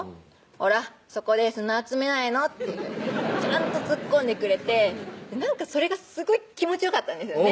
「ほらそこで砂集めないの」っていうふうにちゃんとツッコんでくれてなんかそれがすごい気持ちよかったんですよね